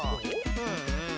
うんうん。